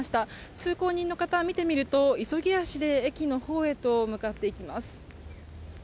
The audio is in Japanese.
通行人の方を見てみると急ぎ足で駅のほうへ向かっていきます。